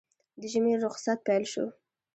د ژمي روخصت پېل شو